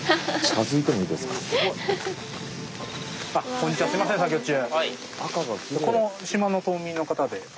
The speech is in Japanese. こんにちはすいません作業中。